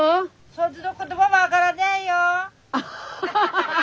そっちの言葉分からねえよ。